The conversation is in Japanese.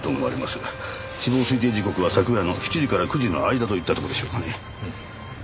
死亡推定時刻は昨夜の７時から９時の間といったとこでしょうかね。